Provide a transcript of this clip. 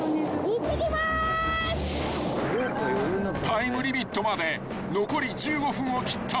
［タイムリミットまで残り１５分を切った］